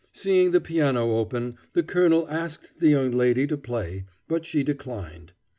Seeing the piano open, the colonel asked the young lady to play, but she declined.